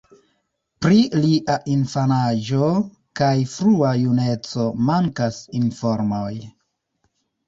Pri lia infanaĝo kaj frua juneco mankas informoj.